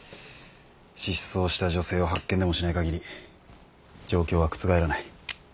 失踪した女性を発見でもしないかぎり状況は覆らない。